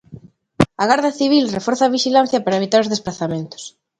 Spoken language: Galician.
A Garda Civil reforza a vixilancia para evitar os desprazamentos.